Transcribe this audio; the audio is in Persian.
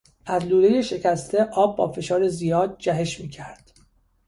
از لولهی شکسته آب با فشار زیاد جهش میکرد.